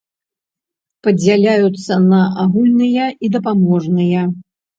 Падзяляюцца на агульныя і дапаможныя.